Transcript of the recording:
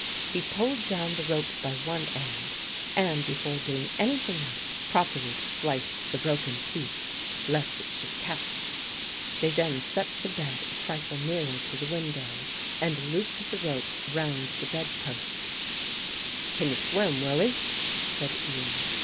He pulled down the rope by one end and, before doing anything else, properly spliced the broken piece lest it should catch. They then set the bed a trifle nearer to the window and looped the rope round the bed post. "Can you swim, Willie?" said Ian.